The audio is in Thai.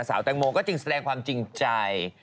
สาวแต่งโมก็จริงแสดงความจริงใจ